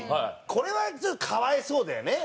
これはちょっと可哀想だよね。